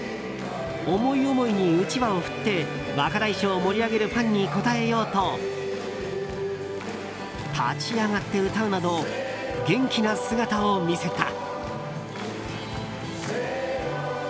思い思いにうちわを振って若大将を盛り上げるファンに応えようと立ち上がって歌うなど元気な姿を見せた。